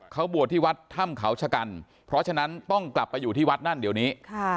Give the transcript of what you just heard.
เขาบวชที่วัดถ้ำเขาชะกันเพราะฉะนั้นต้องกลับไปอยู่ที่วัดนั่นเดี๋ยวนี้